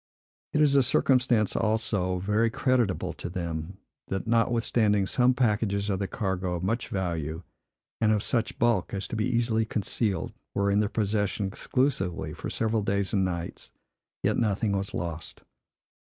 It is a circumstance, also, very creditable to them, that notwithstanding some packages of the cargo, of much value, and of such bulk as to be easily concealed, were in their possession, exclusively, for several days and nights, yet nothing was lost.